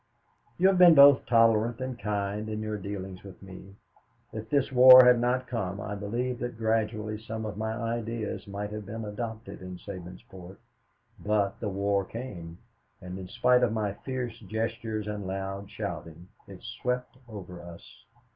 "You have been both tolerant and kind in your dealings with me. If this war had not come, I believe that gradually some of my ideas might have been adopted in Sabinsport; but the war came and, in spite of my fierce gestures and loud shouting, it swept over us.